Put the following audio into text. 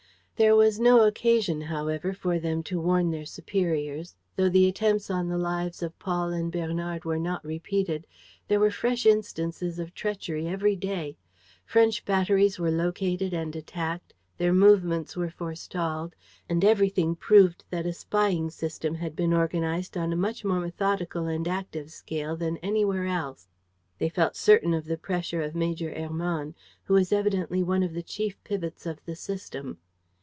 There was no occasion, however, for them to warn their superiors. Though the attempts on the lives of Paul and Bernard were not repeated, there were fresh instances of treachery every day. French batteries were located and attacked; their movements were forestalled; and everything proved that a spying system had been organized on a much more methodical and active scale than anywhere else. They felt certain of the presence of Major Hermann, who was evidently one of the chief pivots of the system.